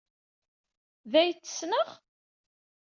D ay t-ssneɣ?